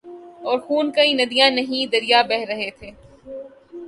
اورخون کی ندیاں نہیں دریا بہہ رہے تھے۔